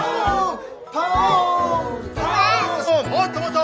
もっともっと！